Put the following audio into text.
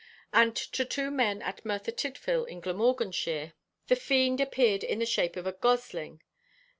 And to two men at Merthyr Tydfil, in Glamorganshire, the fiend appeared in the shape of a gosling.